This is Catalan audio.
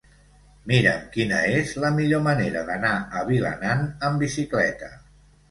Mira'm quina és la millor manera d'anar a Vilanant amb bicicleta.